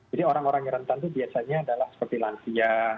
jadi orang orang yang rentan itu biasanya adalah seperti lansia